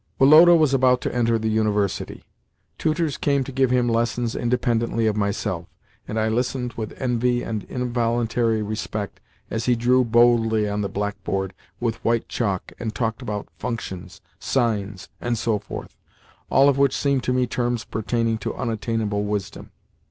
Woloda was about to enter the University. Tutors came to give him lessons independently of myself, and I listened with envy and involuntary respect as he drew boldly on the blackboard with white chalk and talked about "functions," "sines," and so forth—all of which seemed to me terms pertaining to unattainable wisdom.